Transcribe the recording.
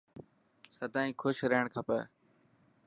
سدائين خوش رهڻ کپي.